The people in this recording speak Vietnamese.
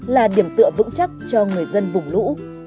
là điểm tựa vững chắc cho người dân vùng lũ